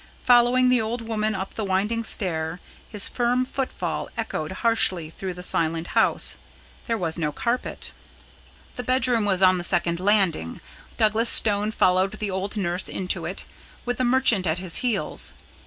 Following the old woman up the winding stair, his firm footfall echoed harshly through the silent house. There was no carpet. The bedroom was on the second landing. Douglas Stone followed the old nurse into it, with the merchant at his heels.